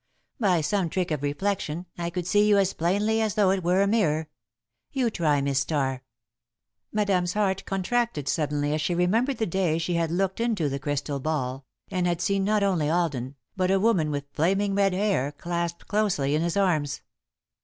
By some trick of reflection, I could see you as plainly as though it were a mirror. You try, Miss Starr." Madame's heart contracted suddenly as she remembered the day she had looked into the crystal ball, and had seen not only Alden, but a woman with flaming red hair, clasped closely in his arms.